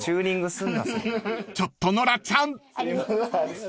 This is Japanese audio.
［ちょっとノラちゃん］